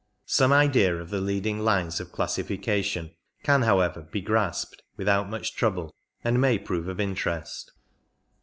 Some idea of the leading lines of classifica tion can, however, be grasped without much trouble, and may prove of interest.